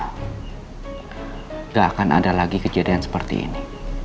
nanti gak akan ada lagi kejadian seperti ini